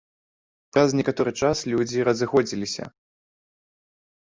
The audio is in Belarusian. Праз некаторы час людзі разыходзіліся.